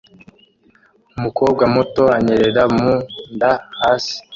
Umukobwa muto anyerera mu nda hasi